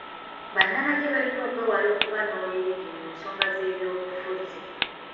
Bannamagye balina okwewala okuba n'oluuyi mu nsonga z'ebyobufuzi.